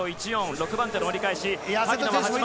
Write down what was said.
６番手で折り返し。